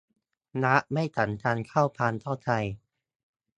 รักไม่สำคัญเท่าความเข้าใจ